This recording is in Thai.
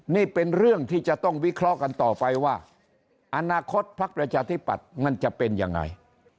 นี่เป็นเรื่องที่จะต้องวิเคราะห์กันต่อไปว่าอนาคตพักประชาธิปัตย์มันจะเป็นยังไง